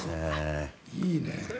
いいね。